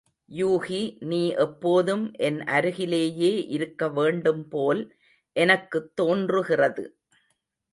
யூகி நீ எப்போதும் என் அருகிலேயே இருக்க வேண்டும்போல் எனக்குத் தோன்றுகிறது!